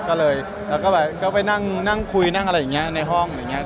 ก็เลยแล้วก็แบบก็ไปนั่งคุยนั่งอะไรอย่างนี้ในห้องอะไรอย่างนี้